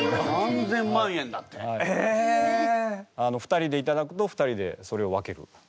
２人で頂くと２人でそれを分ける。